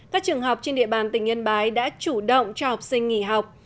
các trường học trên địa bàn tỉnh yên bái đã chủ động cho học sinh nghỉ học